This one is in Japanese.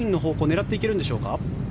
狙っていけるんでしょうか。